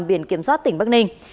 biển kiểm soát tỉnh bắc ninh